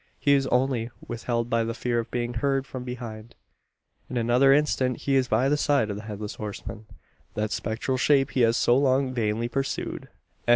He is only withheld by the fear of being heard from behind. In another instant, he is by the side of the Headless Horseman that spectral shape he has so long vainly pursued!